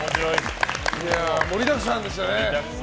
盛りだくさんでしたね。